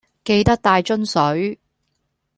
記得帶樽水